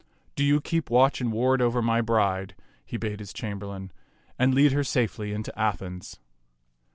Do you keep watch and ward over my bride," he bade his chamberlains, "and lead her safely into Athens."